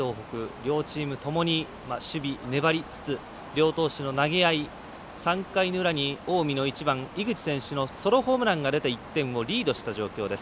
両チームともに守備、粘りつつ両投手の投げ合い３回の裏に近江の１番井口選手のソロホームランが出て１点をリードした状況です。